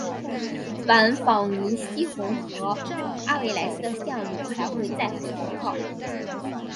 往返于希洪和阿维莱斯的线路还会在和停靠。